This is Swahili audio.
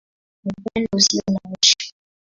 Ni Upendo Usio na Mwisho.